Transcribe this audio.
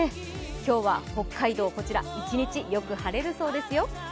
今日は北海道、一日よく晴れるそうですよ。